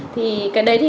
thì cái đấy thì